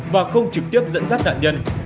và không trực tiếp dẫn dắt nạn nhân